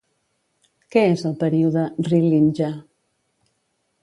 Què és el període Rilindja?